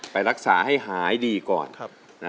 ไปรักษาให้หายดีก่อน